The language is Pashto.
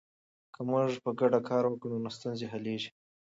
که موږ په ګډه کار وکړو نو ستونزې حلیږي.